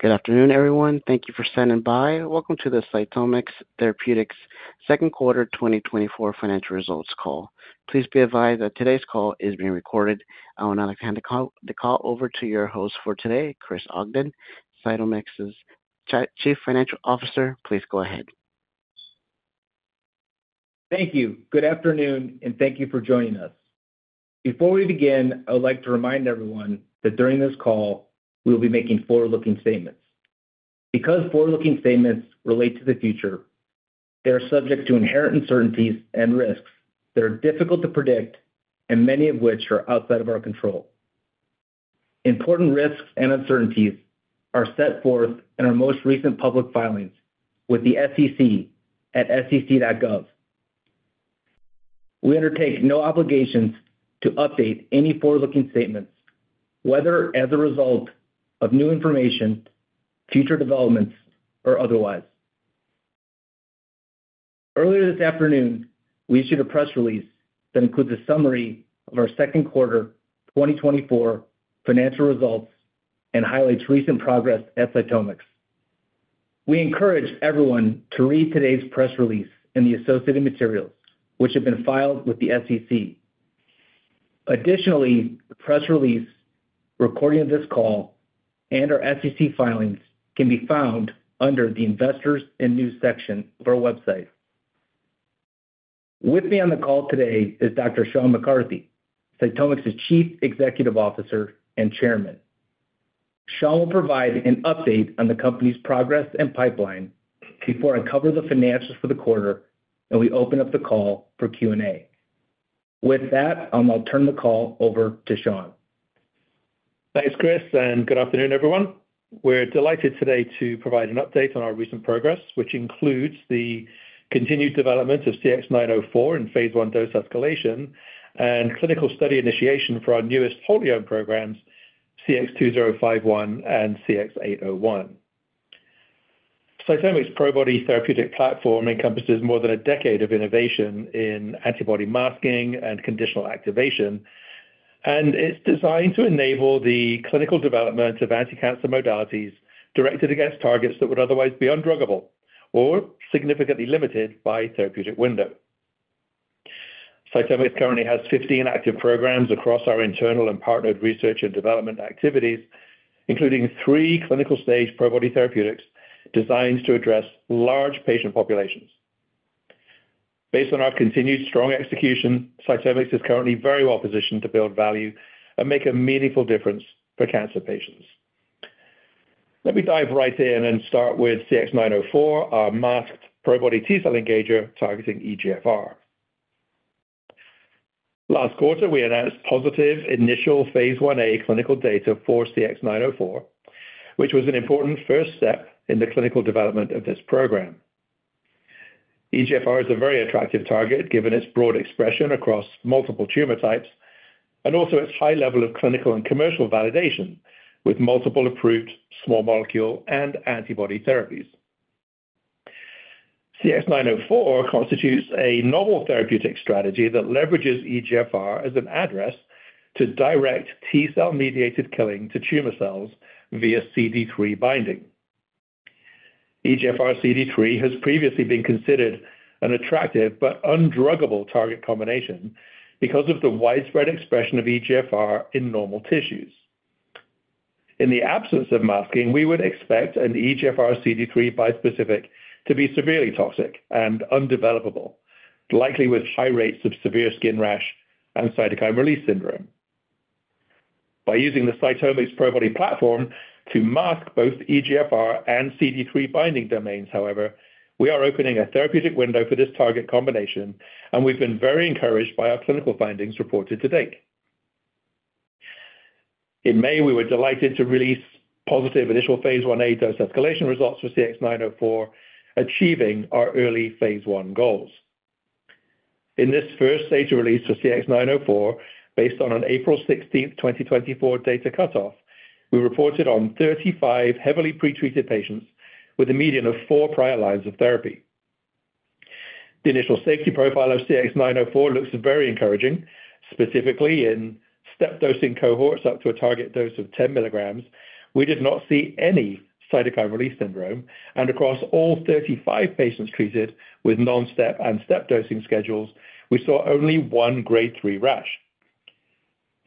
Good afternoon, everyone. Thank you for standing by. Welcome to the CytomX Therapeutics Second Quarter 2024 Financial Results Call. Please be advised that today's call is being recorded. I would now like to hand the call over to your host for today, Chris Ogden, CytomX's Chief Financial Officer. Please go ahead. Thank you. Good afternoon, and thank you for joining us. Before we begin, I would like to remind everyone that during this call, we will be making forward-looking statements. Because forward-looking statements relate to the future, they are subject to inherent uncertainties and risks that are difficult to predict and many of which are outside of our control. Important risks and uncertainties are set forth in our most recent public filings with the SEC at sec.gov. We undertake no obligations to update any forward-looking statements, whether as a result of new information, future developments, or otherwise. Earlier this afternoon, we issued a press release that includes a summary of our second quarter 2024 financial results and highlights recent progress at CytomX. We encourage everyone to read today's press release and the associated materials, which have been filed with the SEC. Additionally, the press release, recording of this call, and our SEC filings can be found under the Investors and News section of our website. With me on the call today is Dr. Sean McCarthy, CytomX's Chief Executive Officer and Chairman. Sean will provide an update on the company's progress and pipeline before I cover the financials for the quarter, and we open up the call for Q&A. With that, I'll now turn the call over to Sean. Thanks, Chris, and good afternoon, everyone. We're delighted today to provide an update on our recent progress, which includes the continued development of CX-904 in phase 1 dose escalation and clinical study initiation for our newest wholly owned programs, CX-2051 and CX-801. CytomX Probody therapeutic platform encompasses more than a decade of innovation in antibody masking and conditional activation, and it's designed to enable the clinical development of anticancer modalities directed against targets that would otherwise be undruggable or significantly limited by therapeutic window. CytomX currently has 15 active programs across our internal and partnered research and development activities, including three clinical-stage Probody therapeutics designed to address large patient populations. Based on our continued strong execution, CytomX is currently very well positioned to build value and make a meaningful difference for cancer patients. Let me dive right in and start with CX-904, our masked Probody T-cell engager targeting EGFR. Last quarter, we announced positive initial phase 1A clinical data for CX-904, which was an important first step in the clinical development of this program. EGFR is a very attractive target, given its broad expression across multiple tumor types and also its high level of clinical and commercial validation, with multiple approved small molecule and antibody therapies. CX-904 constitutes a novel therapeutic strategy that leverages EGFR as an address to direct T-cell-mediated killing to tumor cells via CD3 binding. EGFR CD3 has previously been considered an attractive but undruggable target combination because of the widespread expression of EGFR in normal tissues. In the absence of masking, we would expect an EGFR CD3 bispecific to be severely toxic and undevelopable, likely with high rates of severe skin rash and cytokine release syndrome. By using the CytomX Probody platform to mask both EGFR and CD3 binding domains, however, we are opening a therapeutic window for this target combination, and we've been very encouraged by our clinical findings reported to date. In May, we were delighted to release positive initial Phase 1A dose-escalation results for CX-904, achieving our early Phase 1 goals. In this first data release for CX-904, based on an April 16, 2024 data cutoff, we reported on 35 heavily pretreated patients with a median of 4 prior lines of therapy. The initial safety profile of CX-904 looks very encouraging, specifically in step-dosing cohorts up to a target dose of 10 milligrams. We did not see any cytokine release syndrome, and across all 35 patients treated with non-step and step dosing schedules, we saw only 1 grade 3 rash.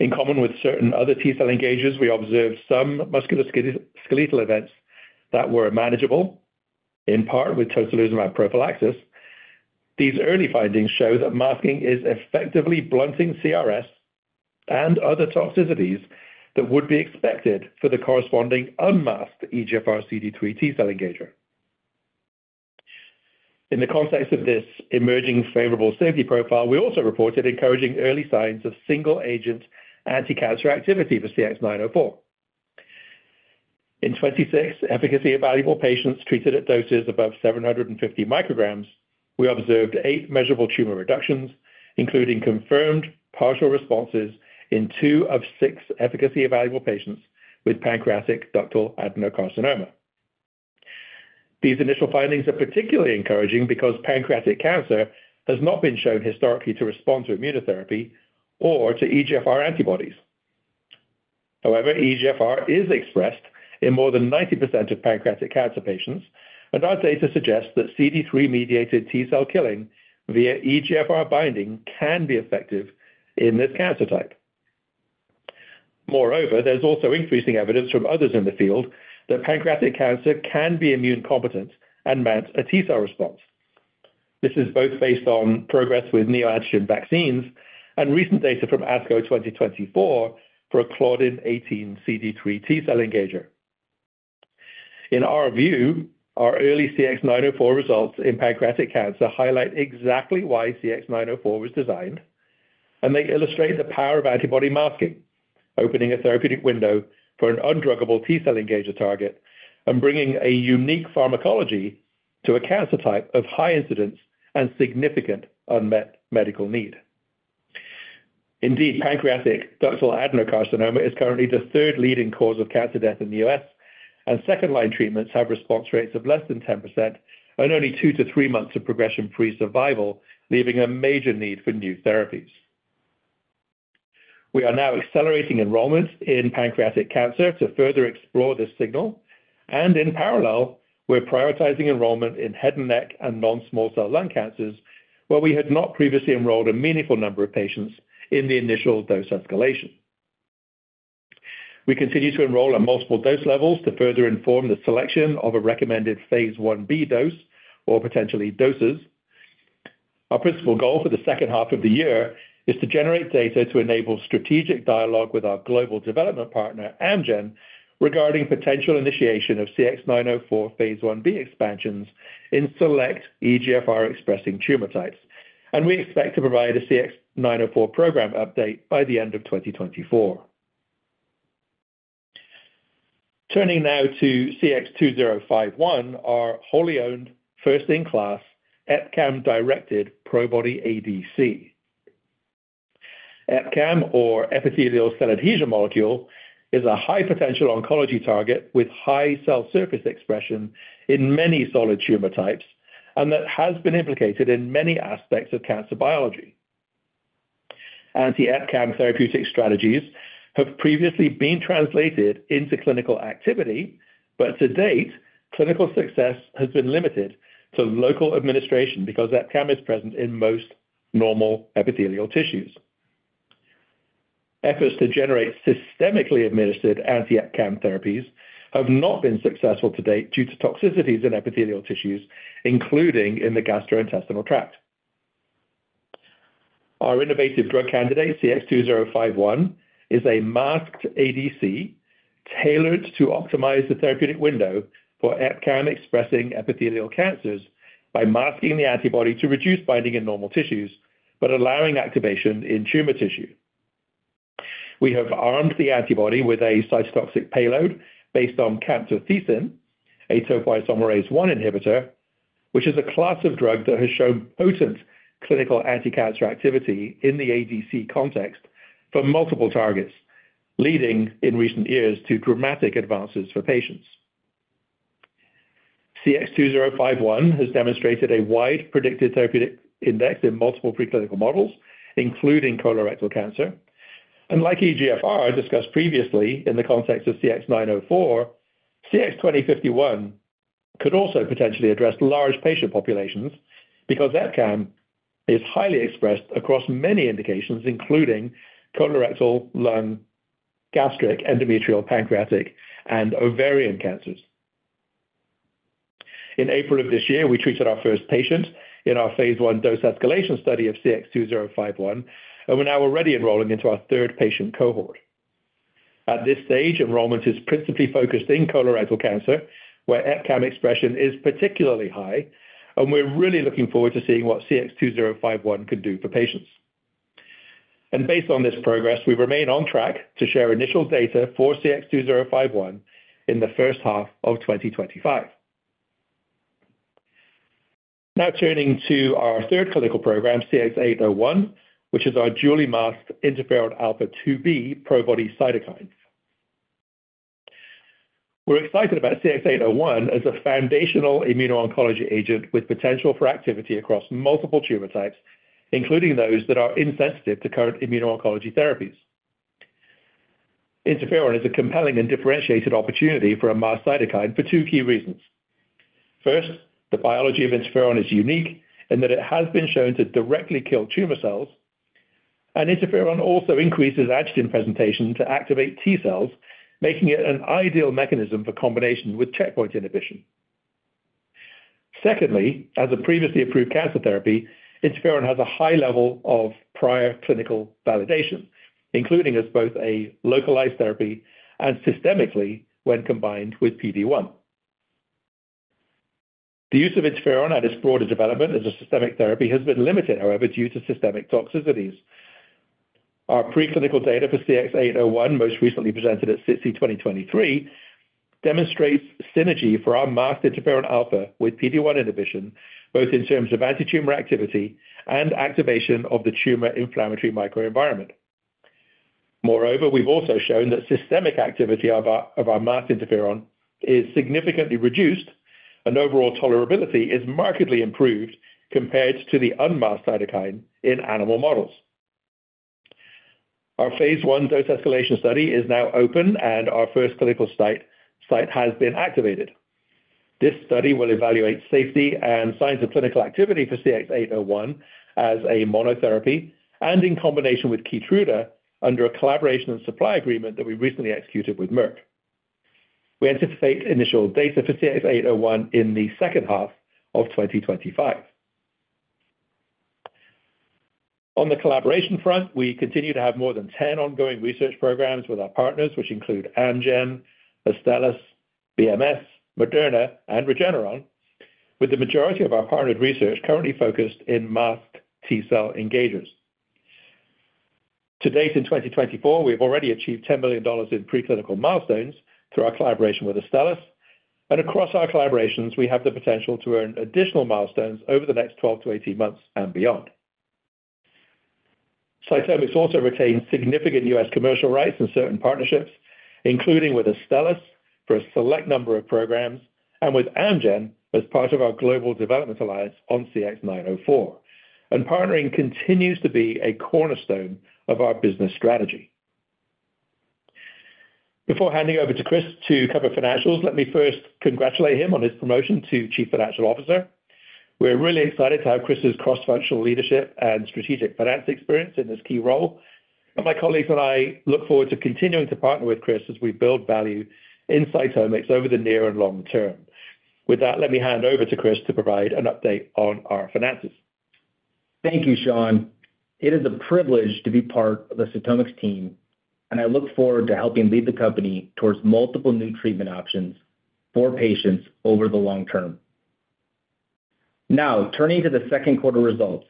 In common with certain other T-cell engagers, we observed some musculoskeletal, skeletal events that were manageable, in part with tocilizumab prophylaxis. These early findings show that masking is effectively blunting CRS and other toxicities that would be expected for the corresponding unmasked EGFR CD3 T-cell engager. In the context of this emerging favorable safety profile, we also reported encouraging early signs of single-agent anticancer activity for CX-904. In 26 efficacy-evaluable patients treated at doses above 750 micrograms, we observed 8 measurable tumor reductions, including confirmed partial responses in 2 of 6 efficacy-evaluable patients with pancreatic ductal adenocarcinoma.... These initial findings are particularly encouraging because pancreatic cancer has not been shown historically to respond to immunotherapy or to EGFR antibodies. However, EGFR is expressed in more than 90% of pancreatic cancer patients, and our data suggests that CD3-mediated T-cell killing via EGFR binding can be effective in this cancer type. Moreover, there's also increasing evidence from others in the field that pancreatic cancer can be immune competent and mount a T-cell response. This is both based on progress with neoadjuvant vaccines and recent data from ASCO 2024 for a claudin 18.2 CD3 T-cell engager. In our view, our early CX-904 results in pancreatic cancer highlight exactly why CX-904 was designed, and they illustrate the power of antibody masking, opening a therapeutic window for an undruggable T-cell engager target and bringing a unique pharmacology to a cancer type of high incidence and significant unmet medical need. Indeed, pancreatic ductal adenocarcinoma is currently the third leading cause of cancer death in the US, and second-line treatments have response rates of less than 10% and only 2-3 months of progression-free survival, leaving a major need for new therapies. We are now accelerating enrollment in pancreatic cancer to further explore this signal, and in parallel, we're prioritizing enrollment in head and neck and non-small cell lung cancers, where we had not previously enrolled a meaningful number of patients in the initial dose escalation. We continue to enroll at multiple dose levels to further inform the selection of a recommended phase 1b dose or potentially doses. Our principal goal for the second half of the year is to generate data to enable strategic dialogue with our global development partner, Amgen, regarding potential initiation of CX-904 phase 1b expansions in select EGFR-expressing tumor types. We expect to provide a CX-904 program update by the end of 2024. Turning now to CX-2051, our wholly owned, first-in-class EpCAM-directed Probody ADC. EpCAM, or epithelial cell adhesion molecule, is a high-potential oncology target with high cell surface expression in many solid tumor types, and that has been implicated in many aspects of cancer biology. Anti-EpCAM therapeutic strategies have previously been translated into clinical activity, but to date, clinical success has been limited to local administration because EpCAM is present in most normal epithelial tissues. Efforts to generate systemically administered anti-EpCAM therapies have not been successful to date due to toxicities in epithelial tissues, including in the gastrointestinal tract. Our innovative drug candidate, CX-2051, is a masked ADC tailored to optimize the therapeutic window for EpCAM-expressing epithelial cancers by masking the antibody to reduce binding in normal tissues, but allowing activation in tumor tissue. We have armed the antibody with a cytotoxic payload based on camptothecin, a topoisomerase I inhibitor, which is a class of drug that has shown potent clinical anticancer activity in the ADC context for multiple targets, leading in recent years to dramatic advances for patients. CX-2051 has demonstrated a wide predicted therapeutic index in multiple preclinical models, including colorectal cancer, and like EGFR, discussed previously in the context of CX-904, CX-2051 could also potentially address large patient populations because EpCAM is highly expressed across many indications, including colorectal, lung, gastric, endometrial, pancreatic, and ovarian cancers. In April of this year, we treated our first patient in our phase 1 dose-escalation study of CX-2051, and we're now already enrolling into our third patient cohort. At this stage, enrollment is principally focused in colorectal cancer, where EpCAM expression is particularly high, and we're really looking forward to seeing what CX-2051 can do for patients. Based on this progress, we remain on track to share initial data for CX-2051 in the first half of 2025. Now turning to our third clinical program, CX-801, which is our dually masked interferon alpha-2b Probody cytokine. We're excited about CX-801 as a foundational immuno-oncology agent with potential for activity across multiple tumor types, including those that are insensitive to current immuno-oncology therapies. Interferon is a compelling and differentiated opportunity as a masked cytokine for two key reasons. First, the biology of interferon is unique in that it has been shown to directly kill tumor cells, and interferon also increases antigen presentation to activate T-cells, making it an ideal mechanism for combination with checkpoint inhibition. Secondly, as a previously approved cancer therapy, interferon has a high level of prior clinical validation, including as both a localized therapy and systemically when combined with PD-1. The use of interferon in its broader development as a systemic therapy has been limited, however, due to systemic toxicities. Our preclinical data for CX-801, most recently presented at SITC 2023, demonstrates synergy for our masked interferon alpha with PD-1 inhibition, both in terms of antitumor activity and activation of the tumor inflammatory microenvironment. Moreover, we've also shown that systemic activity of our masked interferon is significantly reduced, and overall tolerability is markedly improved compared to the unmasked cytokine in animal models. Our phase 1 dose escalation study is now open, and our first clinical site has been activated. This study will evaluate safety and signs of clinical activity for CX-801 as a monotherapy, and in combination with Keytruda, under a collaboration and supply agreement that we recently executed with Merck. We anticipate initial data for CX-801 in the second half of 2025. On the collaboration front, we continue to have more than 10 ongoing research programs with our partners, which include Amgen, Astellas, BMS, Moderna, and Regeneron, with the majority of our partnered research currently focused in masked T-cell engagers. To date, in 2024, we've already achieved $10 million in preclinical milestones through our collaboration with Astellas. Across our collaborations, we have the potential to earn additional milestones over the next 12-18 months and beyond. CytomX also retains significant U.S. commercial rights in certain partnerships, including with Astellas, for a select number of programs, and with Amgen, as part of our global development alliance on CX-904. Partnering continues to be a cornerstone of our business strategy. Before handing over to Chris to cover financials, let me first congratulate him on his promotion to Chief Financial Officer. We're really excited to have Chris's cross-functional leadership and strategic finance experience in this key role, and my colleagues and I look forward to continuing to partner with Chris as we build value in CytomX over the near and long term. With that, let me hand over to Chris to provide an update on our finances. Thank you, Sean. It is a privilege to be part of the CytomX team, and I look forward to helping lead the company towards multiple new treatment options for patients over the long term. Now, turning to the second quarter results,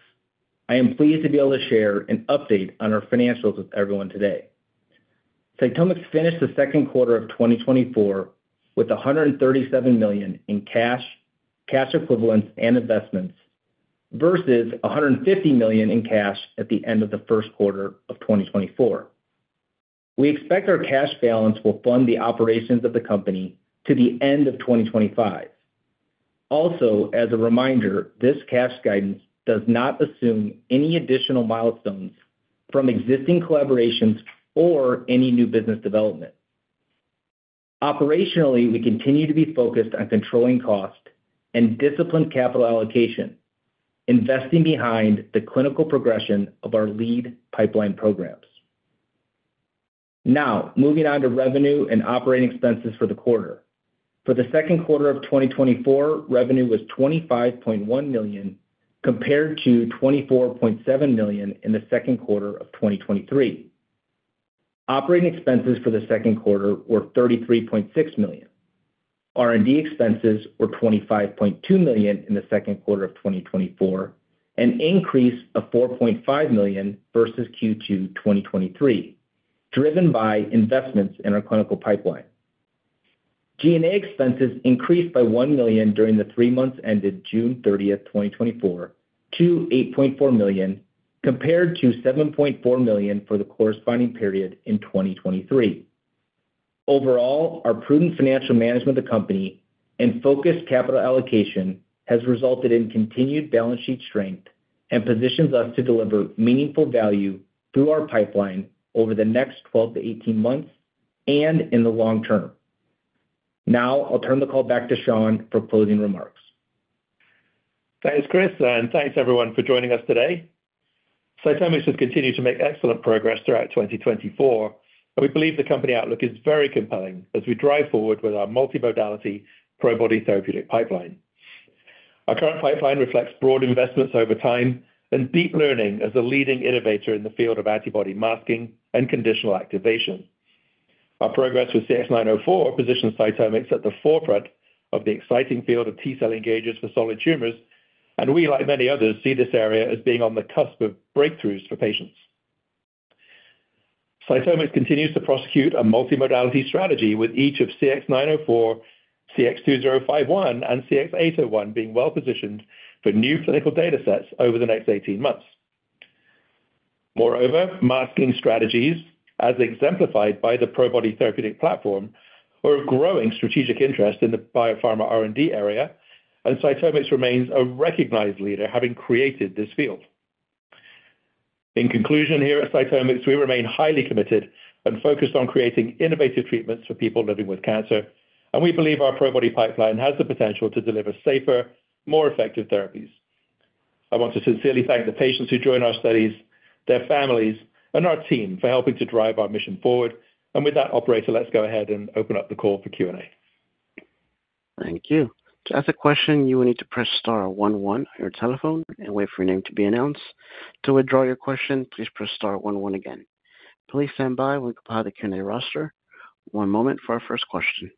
I am pleased to be able to share an update on our financials with everyone today. CytomX finished the second quarter of 2024 with $137 million in cash, cash equivalents, and investments, versus $150 million in cash at the end of the first quarter of 2024. We expect our cash balance will fund the operations of the company to the end of 2025. Also, as a reminder, this cash guidance does not assume any additional milestones from existing collaborations or any new business development. Operationally, we continue to be focused on controlling cost and disciplined capital allocation, investing behind the clinical progression of our lead pipeline programs. Now, moving on to revenue and operating expenses for the quarter. For the second quarter of 2024, revenue was $25.1 million, compared to $24.7 million in the second quarter of 2023. Operating expenses for the second quarter were $33.6 million. R&D expenses were $25.2 million in the second quarter of 2024, an increase of $4.5 million versus Q2 2023, driven by investments in our clinical pipeline. G&A expenses increased by $1 million during the three months ended June 30, 2024 to $8.4 million, compared to $7.4 million for the corresponding period in 2023. Overall, our prudent financial management of the company and focused capital allocation has resulted in continued balance sheet strength and positions us to deliver meaningful value through our pipeline over the next 12-18 months and in the long term. Now I'll turn the call back to Sean for closing remarks. Thanks, Chris, and thanks everyone for joining us today. CytomX has continued to make excellent progress throughout 2024, and we believe the company outlook is very compelling as we drive forward with our multimodality Probody therapeutic pipeline. Our current pipeline reflects broad investments over time and deep learning as a leading innovator in the field of antibody masking and conditional activation. Our progress with CX-904 positions CytomX at the forefront of the exciting field of T-cell engagers for solid tumors, and we, like many others, see this area as being on the cusp of breakthroughs for patients. CytomX continues to prosecute a multimodality strategy with each of CX-904, CX-2051, and CX-801 being well positioned for new clinical data sets over the next 18 months. Moreover, masking strategies, as exemplified by the Probody therapeutic platform, are of growing strategic interest in the biopharma R&D area, and CytomX remains a recognized leader, having created this field. In conclusion, here at CytomX, we remain highly committed and focused on creating innovative treatments for people living with cancer, and we believe our Probody pipeline has the potential to deliver safer, more effective therapies. I want to sincerely thank the patients who join our studies, their families, and our team for helping to drive our mission forward. And with that, operator, let's go ahead and open up the call for Q&A. Thank you. To ask a question, you will need to press star one one on your telephone and wait for your name to be announced. To withdraw your question, please press star one one again. Please stand by while we compile the Q&A roster. One moment for our first question.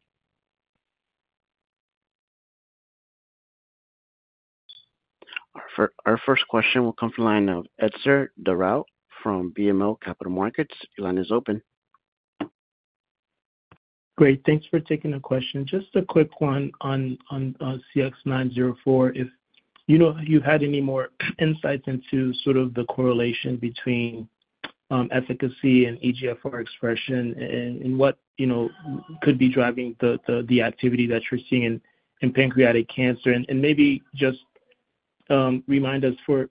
Our first question will come from the line of Etzer Darout from BMO Capital Markets. Your line is open.... Great. Thanks for taking the question. Just a quick one on CX-904. If you know, if you've had any more insights into sort of the correlation between efficacy and EGFR expression and what, you know, could be driving the activity that you're seeing in pancreatic cancer. And maybe just remind us for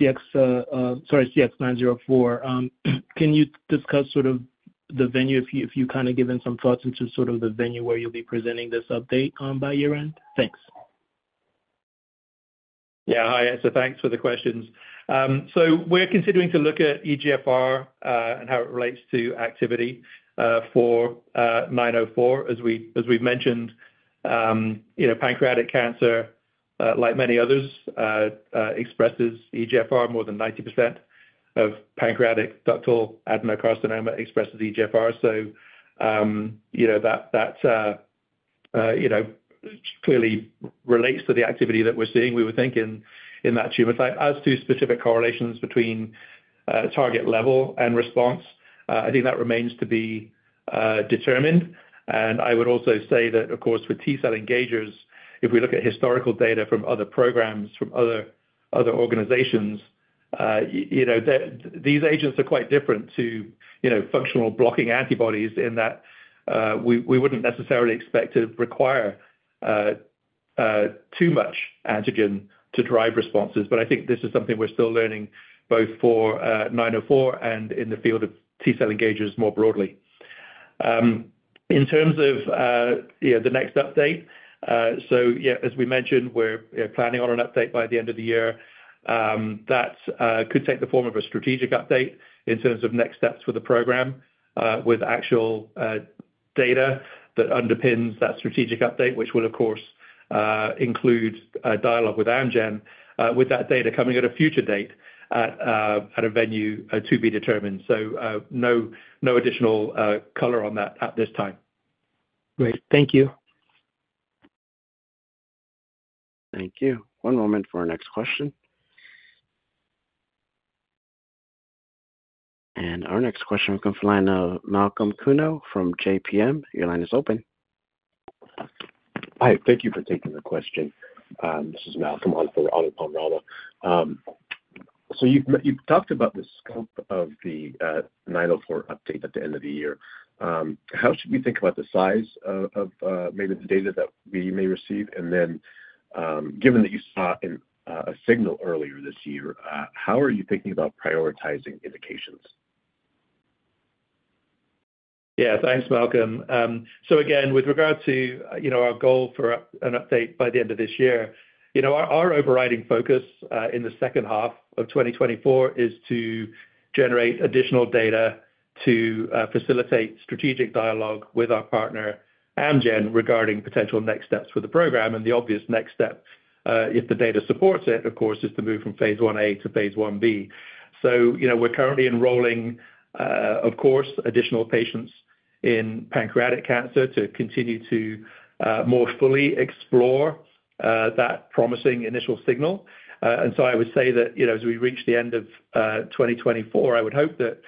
CX-904, can you discuss sort of the venue, if you, if you've kind of given some thoughts into sort of the venue where you'll be presenting this update by year-end? Thanks. Yeah. Hi, so thanks for the questions. So we're continuing to look at EGFR and how it relates to activity for 904. As we, as we've mentioned, you know, pancreatic cancer, like many others, expresses EGFR. More than 90% of pancreatic ductal adenocarcinoma expresses EGFR. So, you know, that clearly relates to the activity that we're seeing, we would think, in that tumor type. As to specific correlations between target level and response, I think that remains to be determined. And I would also say that, of course, for T cell engagers, if we look at historical data from other programs, from other organizations, you know, these agents are quite different to, you know, functional blocking antibodies in that, we wouldn't necessarily expect to require too much antigen to drive responses. But I think this is something we're still learning both for 904 and in the field of T cell engagers more broadly. In terms of, you know, the next update, so yeah, as we mentioned, we're planning on an update by the end of the year. That could take the form of a strategic update in terms of next steps for the program, with actual data that underpins that strategic update, which will of course include a dialogue with Amgen, with that data coming at a future date at a venue to be determined. So, no additional color on that at this time. Great. Thank you. Thank you. One moment for our next question. Our next question comes from the line of Malcolm Kuno from JPM. Your line is open. Hi, thank you for taking the question. This is Malcolm on for Anupam Rama. So you've talked about the scope of the 904 update at the end of the year. How should we think about the size of maybe the data that we may receive? And then, given that you saw a signal earlier this year, how are you thinking about prioritizing indications? Yeah, thanks, Malcolm. So again, with regard to, you know, our goal for an update by the end of this year, you know, our overriding focus in the second half of 2024 is to generate additional data to facilitate strategic dialogue with our partner, Amgen, regarding potential next steps for the program. And the obvious next step, if the data supports it, of course, is to move from phase 1A to phase 1B. So, you know, we're currently enrolling, of course, additional patients in pancreatic cancer to continue to more fully explore that promising initial signal. And so I would say that, you know, as we reach the end of 2024, I would hope that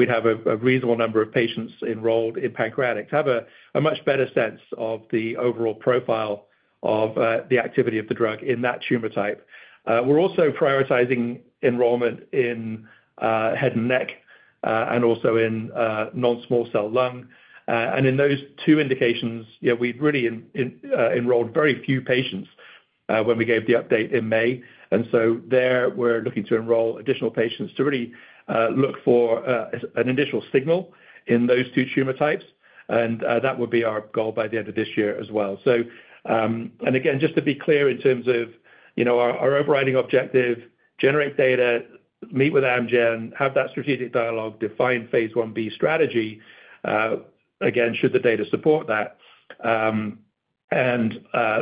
we'd have a reasonable number of patients enrolled in pancreatic to have a much better sense of the overall profile of the activity of the drug in that tumor type. We're also prioritizing enrollment in head and neck and also in non-small cell lung. And in those two indications, yeah, we've really enrolled very few patients when we gave the update in May. And so there, we're looking to enroll additional patients to really look for an initial signal in those two tumor types, and that would be our goal by the end of this year as well. And again, just to be clear, in terms of, you know, our, our overriding objective, generate data, meet with Amgen, have that strategic dialogue, define phase 1B strategy, again, should the data support that. And,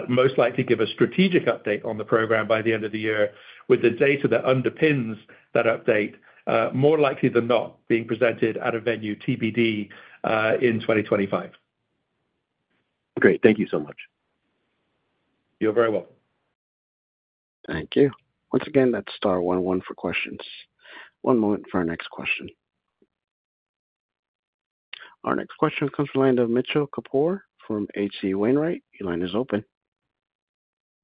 most likely give a strategic update on the program by the end of the year with the data that underpins that update, more likely than not, being presented at a venue TBD, in 2025. Great. Thank you so much. You are very welcome. Thank you. Once again, that's star one one for questions. One moment for our next question. Our next question comes from the line of Mitchell Kapoor from H.C. Wainwright. Your line is open.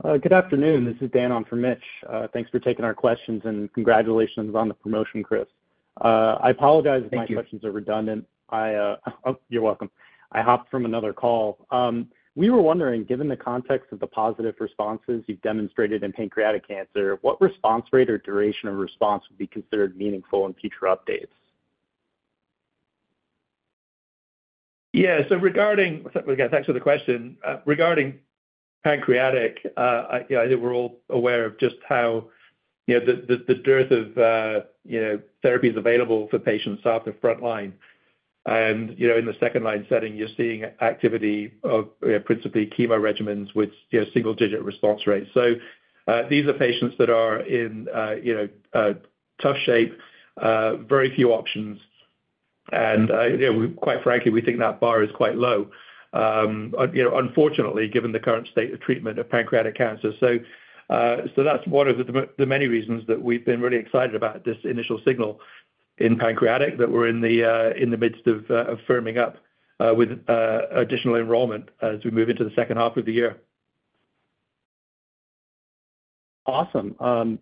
Good afternoon. This is Dan on for Mitch. Thanks for taking our questions, and congratulations on the promotion, Chris. I apologize- Thank you. If my questions are redundant. I, you're welcome. I hopped from another call. We were wondering, given the context of the positive responses you've demonstrated in pancreatic cancer, what response rate or duration of response would be considered meaningful in future updates? Yeah, so regarding... Again, thanks for the question. Regarding pancreatic, I think we're all aware of just how, you know, the dearth of, you know, therapies available for patients after frontline. And, you know, in the second line setting, you're seeing activity of, principally chemo regimens with, you know, single-digit response rates. So, these are patients that are in, you know, tough shape, very few options. And, you know, quite frankly, we think that bar is quite low, you know, unfortunately, given the current state of treatment of pancreatic cancer. So, that's one of the many reasons that we've been really excited about this initial signal in pancreatic, that we're in the midst of firming up with additional enrollment as we move into the second half of the year.... Awesome.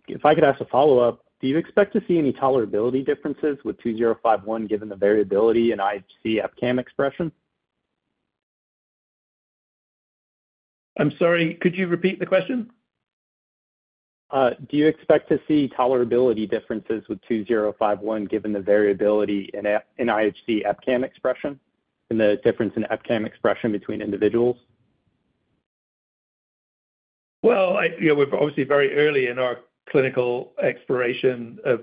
If I could ask a follow-up, do you expect to see any tolerability differences with CX-2051, given the variability in IHC EpCAM expression? I'm sorry, could you repeat the question? Do you expect to see tolerability differences with CX-2051, given the variability in IHC EpCAM expression, and the difference in EpCAM expression between individuals? Well, you know, we're obviously very early in our clinical exploration of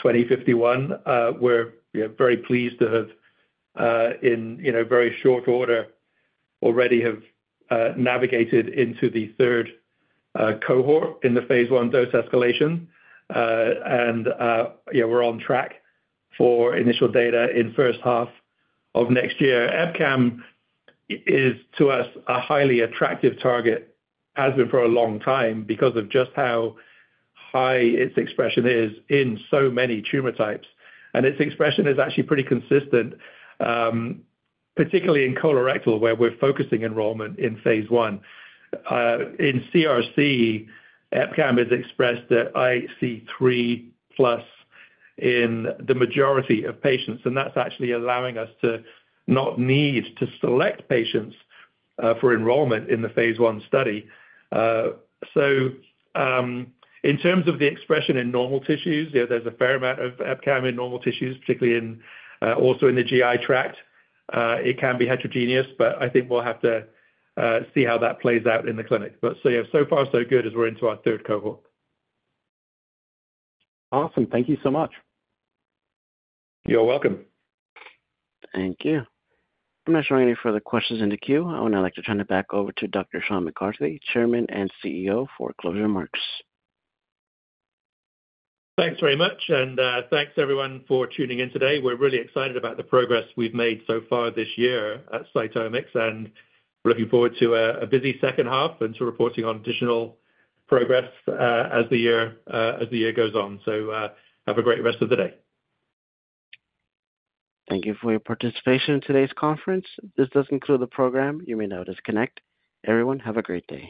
CX-2051. We're, you know, very pleased to have, in, you know, very short order already have navigated into the third cohort in the phase 1 dose escalation. And, yeah, we're on track for initial data in first half of next year. EpCAM is to us, a highly attractive target, has been for a long time, because of just how high its expression is in so many tumor types. And its expression is actually pretty consistent, particularly in colorectal, where we're focusing enrollment in phase 1. In CRC, EpCAM has expressed that IHC 3+ in the majority of patients, and that's actually allowing us to not need to select patients, for enrollment in the phase 1 study. So, in terms of the expression in normal tissues, yeah, there's a fair amount of EpCAM in normal tissues, particularly in, also in the GI tract. It can be heterogeneous, but I think we'll have to see how that plays out in the clinic. But so, yeah, so far, so good as we're into our third cohort. Awesome. Thank you so much. You're welcome. Thank you. I'm not showing any further questions in the queue. I would now like to turn it back over to Dr. Sean McCarthy, Chairman and CEO, for closing remarks. Thanks very much, and thanks everyone for tuning in today. We're really excited about the progress we've made so far this year at CytomX, and we're looking forward to a busy second half and to reporting on additional progress as the year goes on. So, have a great rest of the day. Thank you for your participation in today's conference. This does conclude the program. You may now disconnect. Everyone, have a great day.